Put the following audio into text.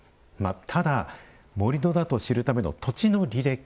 ただ盛土だと知るための土地の履歴。